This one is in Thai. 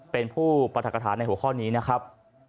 เป็นผู้ปรัฐกฐานในหัวข้อนี้นะครับ